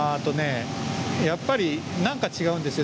やっぱりなんか違うんですよ